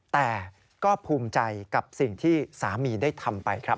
แต่ก็ภูมิใจกับสิ่งที่สามีได้ทำไปครับ